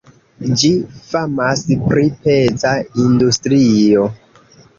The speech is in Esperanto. Ĝi famas pri peza industrio.